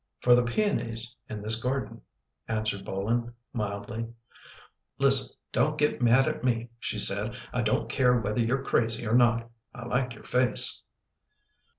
" For the peonies in this garden," answered Bolin, mildly. " Listen, don't get mad at me," she said. " I don't care whether you're crazy or not. I like your face."